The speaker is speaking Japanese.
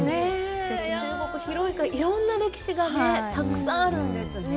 中国って広いから、いろんな歴史がたくさんあるんですね。